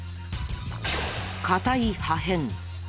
硬い破片